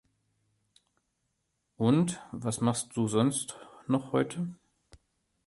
Und, was machst du sonst noch heute?